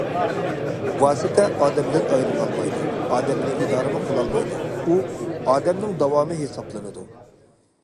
ۋاسىتە ئادەمدىن ئايرىلالمايدۇ، ئادەمنى ئىدارىمۇ قىلالمايدۇ، ئۇ‹‹ ئادەمنىڭ داۋامى›› ھېسابلىنىدۇ.